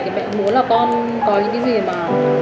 thì bạn muốn là con có những cái gì mà